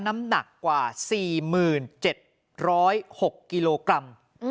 น้ำหนักกว่า๔๗๐๖กิโลกรัม